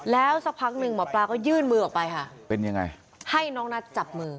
แล้วสักพักหนึ่งหมอปลาก็ยื่นมือออกไปค่ะเป็นยังไงให้น้องนัทจับมือ